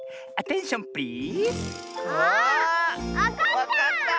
わかった！